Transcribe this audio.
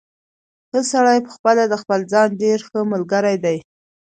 ښه سړی پخپله د خپل ځان ډېر ښه ملګری دی.